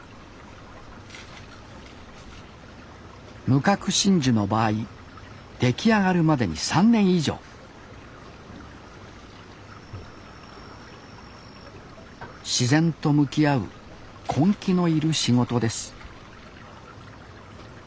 無核真珠の場合出来上がるまでに３年以上自然と向き合う根気のいる仕事です